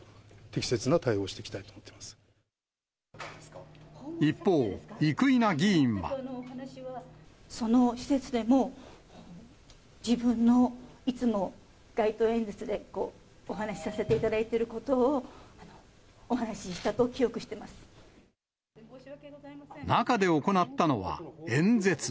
適切な対応をしていきたいと一方、その施設でも、自分の、いつも街頭演説でお話しさせていただいていることをお話ししたと中で行ったのは演説。